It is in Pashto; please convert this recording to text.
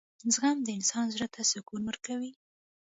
• زغم د انسان زړۀ ته سکون ورکوي.